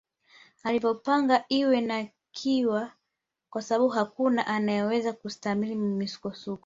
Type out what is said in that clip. Alivyopanga iwe na ikawa kwasababu hakuna anayeweza kustahimili misukosuko